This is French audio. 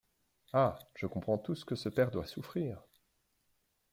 Ah! je comprends tout ce que ce père doit souffrir !